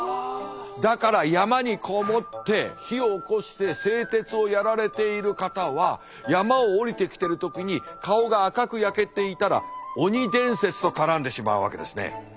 だから山に籠もって火をおこして製鉄をやられている方は山を下りてきてる時に顔が赤く焼けていたら鬼伝説と絡んでしまうわけですね。